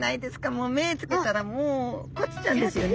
もう目付けたらもうコチちゃんですよね。